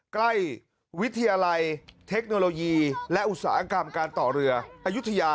ใกล้วิทยาลัยเทคโนโลยีและอุตสาหกรรมการต่อเรืออายุทยา